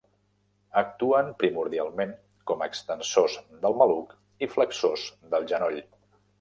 Actuen primordialment com extensors del maluc i flexors del genoll.